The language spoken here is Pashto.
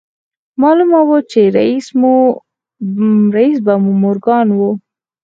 معلومه وه چې رييس به مورګان و.